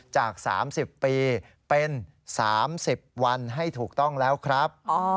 จาก๓๐ปีเป็น๓๐วันให้ถูกต้องแล้วครับ